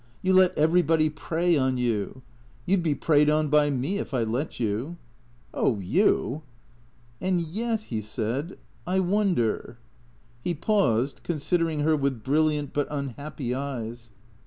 You let everybody prey on you. You 'd be preyed on by me, if I let you." " Oh — you "" And yet," he said, " I wonder " He paused, considering her with brilliant but unhappy eyes.